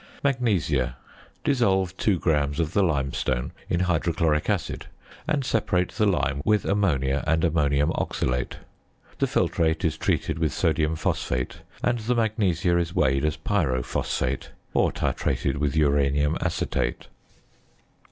~Magnesia.~ Dissolve 2 grams of the limestone in hydrochloric acid, and separate the lime with ammonia and ammonium oxalate. The filtrate is treated with sodium phosphate, and the magnesia is weighed as pyrophosphate, or titrated with uranium acetate.